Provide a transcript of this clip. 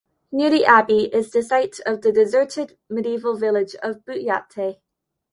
Near the Abbey is the site of the Deserted Medieval Village of "Butyate".